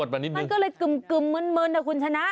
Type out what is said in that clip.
มันก็เลยกึ่มมึนนะคุณชนะ